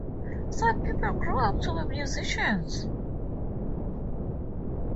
Some people grow up to be musicians.